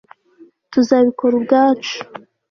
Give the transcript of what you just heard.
tuzabikora ubwacu